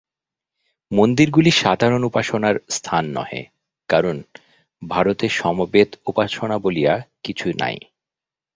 মন্দিরগুলি সাধারণ উপাসনার স্থান নহে, কারণ ভারতে সমবেত উপাসনা বলিয়া কিছু নাই।